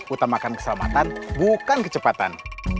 utamakan keselamatan bukan kecepatan